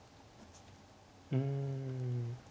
うん。